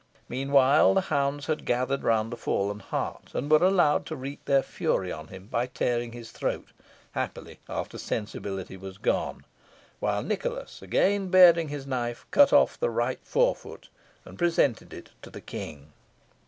Meanwhile, the hounds had gathered round the fallen hart, and were allowed to wreak their fury on him by tearing his throat, happily after sensibility was gone; while Nicholas, again baring his knife, cut off the right fore foot, and presented it to the King.